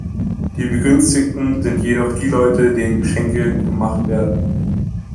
Die Begünstigten sind jedoch die Leute, denen Geschenke gemacht werden.